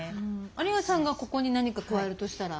有賀さんがここに何か加えるとしたら？